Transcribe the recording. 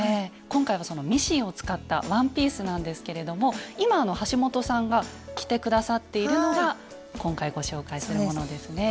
今回はそのミシンを使ったワンピースなんですけれども今橋本さんが着て下さっているのが今回ご紹介するものですね。